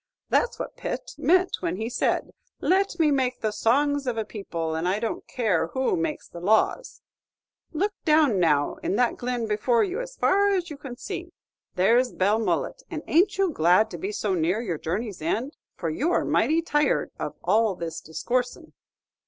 That's what Pitt meant when he said, 'Let me make the songs of a people, and I don't care who makes the laws.' Look down now in that glen before you, as far as you can see. There's Belmullet, and ain't you glad to be so near your journey's end? for you're mighty tired of all this discoorsin'."